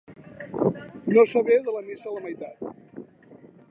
No saber de la missa la meitat.